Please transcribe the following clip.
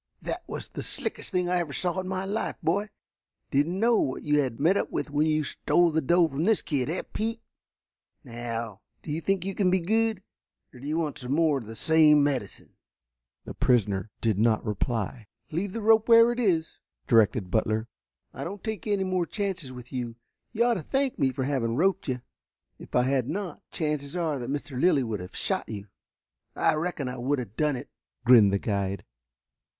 "That was the slickest thing I ever saw in all my life, boy. Didn't know what you had met up with when you stole the doe from this kid, eh, Pete? Now, do you think you can be good, or do you want some more of the same medicine?" The prisoner did not reply. "Leave the rope where it is," directed Butler. "I don't take any more chances with you. You ought to thank me for having roped you. If I had not, the chances are that Mr. Lilly would have shot you." "I reckon I would have done it," grinned the guide.